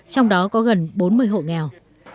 trong đó có gần bốn mươi hộ nghèo